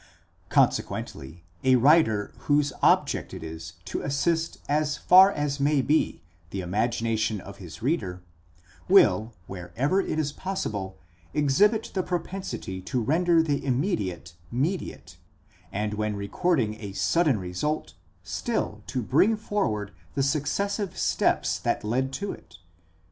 Consequently a writer whose object it is to assist as far as may be the imagin ation of his reader, will wherever it is possible exhibit the propensity to render the immediate mediate, and when recording a sudden result, still to bring for ward the successive steps that led toit.